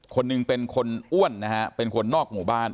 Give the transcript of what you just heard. คนหนึ่งเป็นคนอ้วนนะฮะเป็นคนนอกหมู่บ้าน